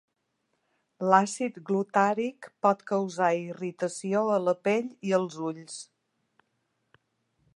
L'àcid glutàric pot causar irritació a la pell i ulls.